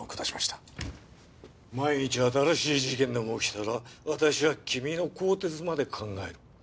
万一新しい事件でも起きたら私は君の更迭まで考える。